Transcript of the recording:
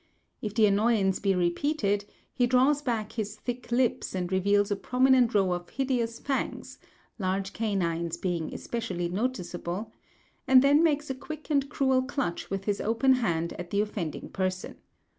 If the annoyance be repeated, he draws back his thick lips and reveals a prominent row of hideous fangs (large canines being especially noticeable), and then makes a quick and cruel clutch with his open hand at the offending person.